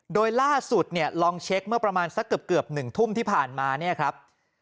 โดยล่าสุดเนี่ยลองเช็คเมื่อประมาณสักเกือบ๑ทุ่มที่ผ่านมาเนี่ยครับ